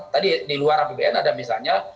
tadi di luar apbn ada misalnya